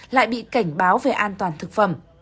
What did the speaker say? lại bị cảnh báo về an toàn thực phẩm